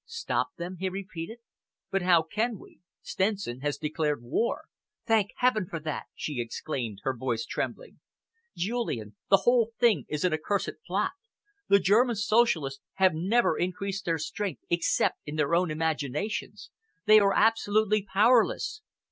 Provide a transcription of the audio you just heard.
"Stop them?" he repeated. "But how can we? Stenson has declared war." "Thank heaven for that!" she exclaimed, her voice trembling. "Julian, the whole thing is an accursed plot. The German Socialists have never increased their strength except in their own imaginations. They are absolutely powerless.